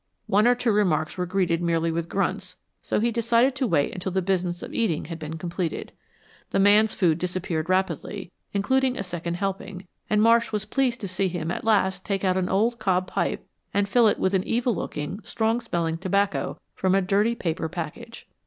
One or two remarks were greeted merely with grunts, so he decided to wait until the business of eating had been completed. The man's food disappeared rapidly, including a second helping, and Marsh was pleased to see him at last take out an old cob pipe and fill it with an evil looking, strong smelling tobacco from a dirty paper package.